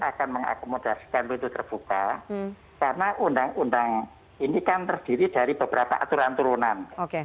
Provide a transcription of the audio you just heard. akan mengakomodasikan pintu terbuka karena undang undang ini kan terdiri dari beberapa aturan turunan